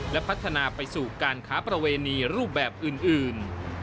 และพัฒนาไปสู่การค้าประเวณีรูปแบบอื่น